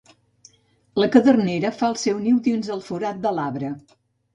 La cadernera fa el seu niu dins el forat de l'arbre.